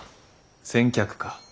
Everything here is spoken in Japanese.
先客か。